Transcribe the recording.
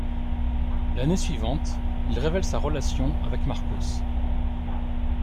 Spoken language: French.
L'année suivante, il révèle sa relation avec Marcos.